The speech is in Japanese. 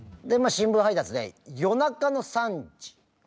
新聞配達で夜中の３時。